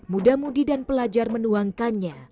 muda mudi dan pelajar menuangkannya